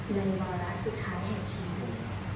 วาระสุดท้ายแห่งชีวิต